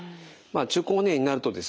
中高年になるとですね